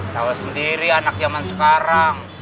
tahu sendiri anak zaman sekarang